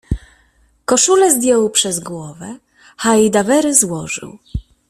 Koszulę zdjął przez głowę, hajdawery złożył